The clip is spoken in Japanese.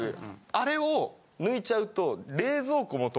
あれを抜いちゃうと。